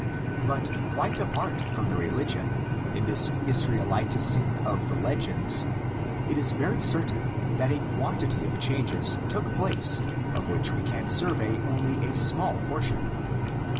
But quite apart from the religion, in this Israelitising of the legends it is very certain that a quantity of changes took place of which we can survey only a small portion.